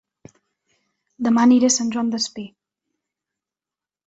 Dema aniré a Sant Joan Despí